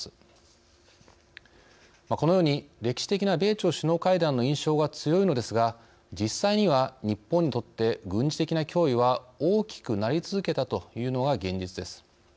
このように歴史的な米朝首脳会談の印象が強いのですが実際には日本にとって軍事的な脅威は大きくなり続けたというのが現実です。